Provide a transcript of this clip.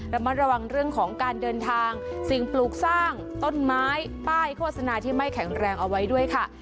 ระมัดระวังเรื่องของการเดินทางสิ่งปลูกสร้างต้นไม้ป้ายโฆษณาที่ไม่แข็งแรงเอาไว้ด้วยค่ะ